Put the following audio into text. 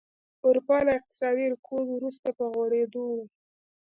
اروپا له اقتصادي رکود وروسته په غوړېدو وه.